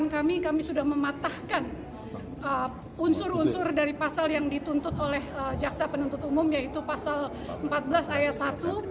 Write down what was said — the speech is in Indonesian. kami tidak terima atas putusan hakim yang tidak menunjukkan kehadilan